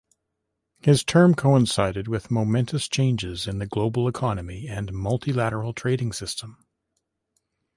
His term coincided with momentous changes in the global economy and multilateral trading system.